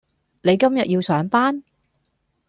你今日要上班?